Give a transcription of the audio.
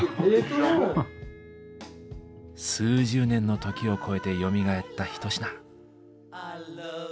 数十年の時を超えてよみがえった一品。